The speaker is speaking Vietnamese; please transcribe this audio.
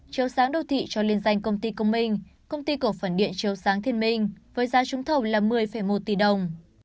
chiếu sáng đô thị cho liên danh công ty công minh công ty cổ phần điện chiếu sáng thiên minh với giá trúng thầu là một mươi một tỷ đồng